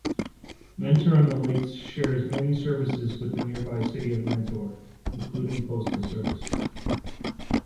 Mentor-on-the-Lake shares many services with the nearby city of Mentor, including postal service.